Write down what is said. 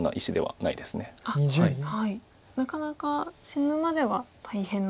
なかなか死ぬまでは大変な。